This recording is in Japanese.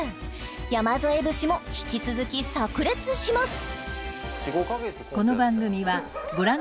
山添節も引き続き炸裂します